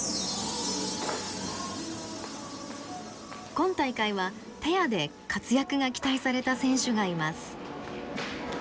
今大会はペアで活躍が期待された選手がいます。